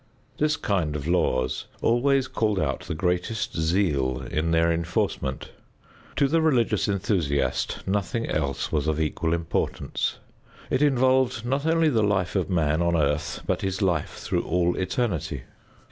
This kind of laws always called out the greatest zeal in their enforcement. To the religious enthusiast nothing else was of equal importance. It involved not only the life of man on earth but his life through all eternity.